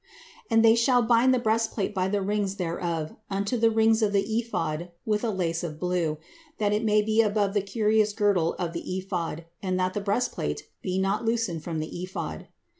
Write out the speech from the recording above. And they shall bind the breastplate by the rings thereof unto the rings of the ephod with a lace of blue, that it may be above the curious girdle of the ephod, and that the breastplate be not loosed from the ephod.